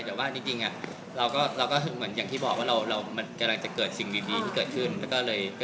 แล้วจริงเราก็อย่างที่บอกว่ามันกำลังจะเกิดสิ่งดีที่จะกำลังเกิดขึ้น